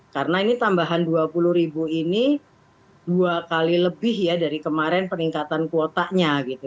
karena ini tambahan rp dua puluh ini dua kali lebih ya dari kemarin peningkatan kuotanya gitu